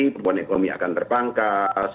pertumbuhan ekonomi akan terbangkas